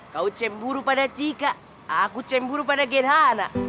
kau cemburu pada cika aku cemburu pada gerhana